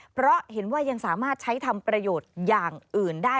เพราะเห็นว่ายังสามารถใช้ทำประโยชน์อย่างอื่นได้